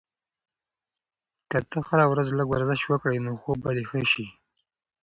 که ته هره ورځ لږ ورزش وکړې، نو خوب به دې ښه شي.